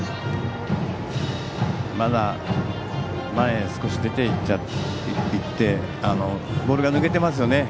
まだ、前に少し出ていってボールが抜けてますよね。